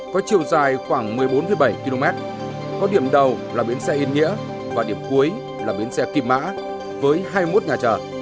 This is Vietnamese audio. có chiều dài khoảng một mươi bốn bảy km có điểm đầu là bến xe yên nghĩa và điểm cuối là bến xe kim mã với hai mươi một nhà chở